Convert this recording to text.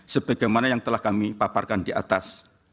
sebagaimana yang telah kami paparkan di atas